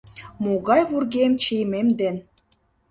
Могай вургем чийымем ден.